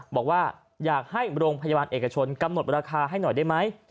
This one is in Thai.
บอกว่าอยากให้โรงพยาบาลเอกชนกำหนดราคาให้หน่อยได้ไหม